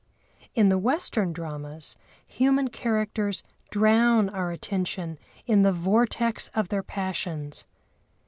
In the Western dramas, human characters drown our attention in the vortex of their passions.